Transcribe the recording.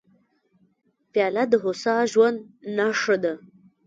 پیاله د هوسا ژوند نښه ده.